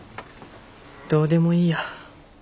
どうでもいいや。